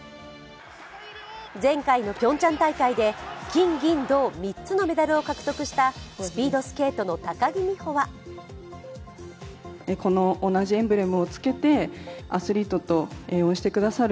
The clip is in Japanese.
前回のピョンヤン大会で金銀銅３つのメダルを獲得したスピードスケートの高木美帆は胸につけられた新しいエンブレム。